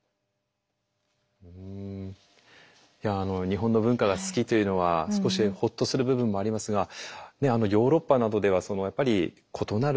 日本の文化が好きというのは少しほっとする部分もありますがヨーロッパなどではやっぱり異なる文化とか言語